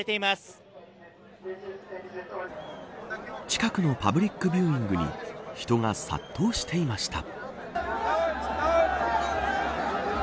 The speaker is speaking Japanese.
近くのパブリックビューイングに人が殺到していました。